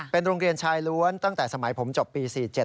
เป็นโรงเรียนชายล้วนตั้งแต่สมัยผมจบปี๔๗